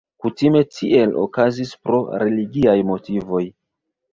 Kutime tiel okazis pro religiaj motivoj.